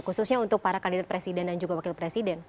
khususnya untuk para kandidat presiden dan juga wakil presiden